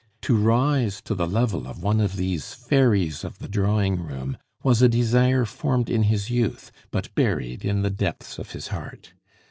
To rise to the level of one of these fairies of the drawing room was a desire formed in his youth, but buried in the depths of his heart.